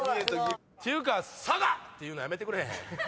ていうか「佐賀！」って言うのやめてくれへん？